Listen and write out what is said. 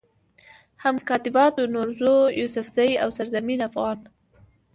هم کاتبانو نوروز يوسفزئ، او سرزمين افغاني